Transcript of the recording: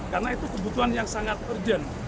karena itu kebutuhan yang sangat urgent